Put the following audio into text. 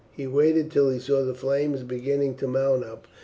He waited till he saw the flames beginning to mount up.